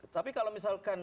tapi kalau misalkan